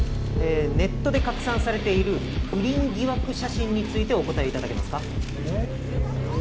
ネットで拡散されている不倫疑惑写真についてお答えいただけますか？